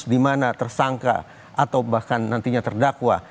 di mana tersangka atau bahkan nantinya terdakwa